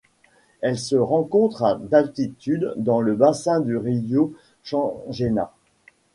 Elle se rencontre à d'altitude dans le bassin du río Changena.